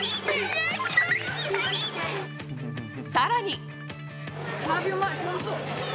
さらに。